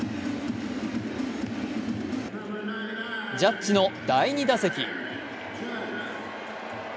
ジャッジの第２打席。